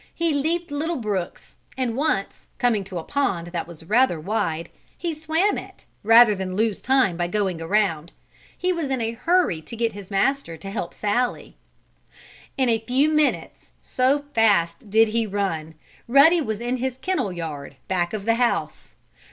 He leaped little brooks, and once, coming to a pond that was rather wide, he swam it, rather than lose time by going around. He was in a hurry to get his master to help Sallie. In a few minutes, so fast did he run, Ruddy was in his kennel yard, back of the house.